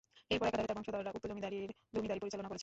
এরপর একাধারে তার বংশধররা উক্ত জমিদারীর জমিদারী পরিচালনা করেছেন।